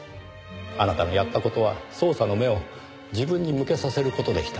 あなたのやった事は捜査の目を自分に向けさせる事でした。